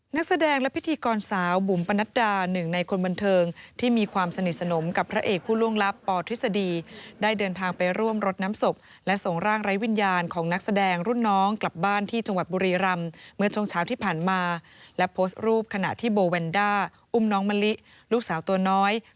นักแสดงและพิธีกรสาวบุ๋มปนัดดาหนึ่งในคนบันเทิงที่มีความสนิทสนมกับพระเอกผู้ล่วงลับปทฤษฎีได้เดินทางไปร่วมรดน้ำศพและส่งร่างไร้วิญญาณของนักแสดงรุ่นน้องกลับบ้านที่จังหวัดบุรีรำเมื่อช่วงเช้าที่ผ่านมาและโพสต์รูปขณะที่โบแวนด้าอุ้มน้องมะลิลูกสาวตัวน้อย